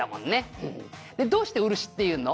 「どうして漆っていうの？」